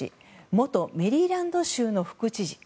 元メリーランド州の副知事。